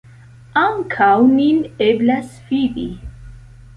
Ankaŭ nin eblas fidi.